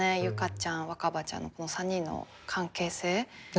結佳ちゃん若葉ちゃんのこの３人の関係性。